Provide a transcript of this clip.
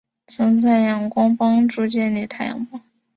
曾在仰光帮助建立太阳报。